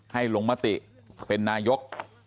ให้ลงมติเป็นนายก